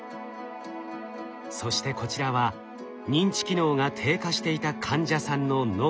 そしてこちらは認知機能が低下していた患者さんの脳。